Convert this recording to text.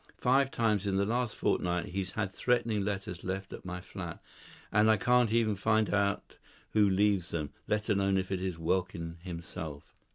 Five times in the last fortnight he's had threatening letters left at my flat, and I can't even find out who leaves them, let alone if it is Welkin himself.